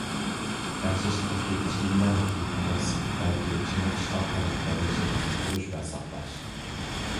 تەڭشەش تىپىدىكى ئىچ كىيىملەرنى كىيىپ ئەمەس، بەلكى چېنىقىش ئارقىلىق بەدەن شەكلىنى قۇرۇش ۋە ساقلاش.